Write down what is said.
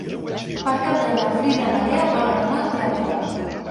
Per Cap d'Any na Frida i na Lea volen anar al teatre.